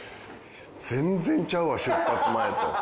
全然ちゃうわ出発前と。